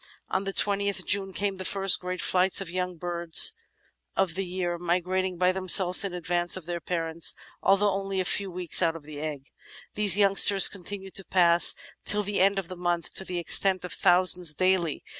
On the 20th J'une came the first great flights of young birds of the year, mi grating by themselves in advance of their parents although only a few weeks out of the egg. These youngsters continued to pass till the end of the month to the extent of thousands daily.